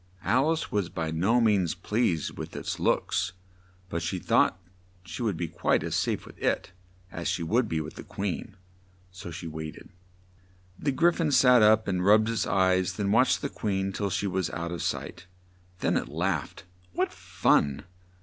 Al ice was by no means pleased with its looks, but she thought she would be quite as safe with it as she would be with the Queen; so she wait ed. The Gry phon sat up and rubbed its eyes; then watched the Queen till she was out of sight; then it laughed. "What fun!"